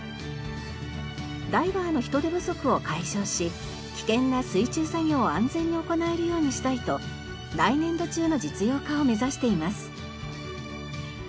ダイバーの人手不足を解消し危険な水中作業を安全に行えるようにしたいと来年度中の実用化を目指しています。